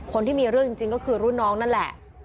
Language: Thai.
คนที่มีเรื่องจริงก็คือรุ่นน้องนั่นแหละ